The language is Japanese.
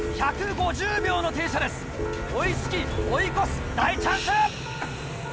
追い付き追い越す大チャンス！